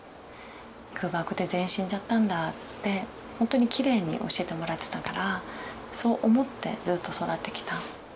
空爆で全員死んじゃったんだってほんとにきれいに教えてもらってたからそう思ってずっと育ってきた。